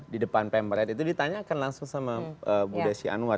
di depan pemerintah itu ditanyakan langsung sama budha sianwar